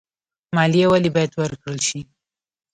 مالیه ولې باید ورکړل شي؟